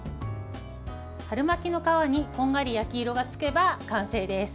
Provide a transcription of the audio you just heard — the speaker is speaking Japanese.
春巻きの皮にこんがり焼き色がつけば完成です。